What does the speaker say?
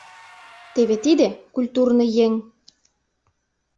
Теве тиде — культурный еҥ!